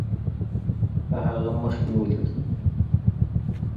د هغه مخ مې وليد.